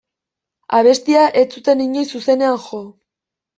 Abestia ez zuten inoiz zuzenean jo.